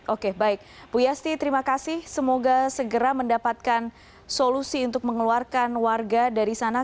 oke baik bu yasti terima kasih semoga segera mendapatkan solusi untuk mengeluarkan warga dari sana